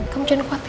kamu jangan khawatir